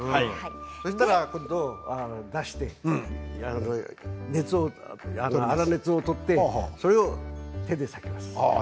そしたら今度、出して粗熱を取ってそれを手で割きます。